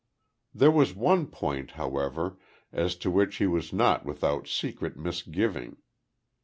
There was one point, however, as to which he was not without secret misgiving.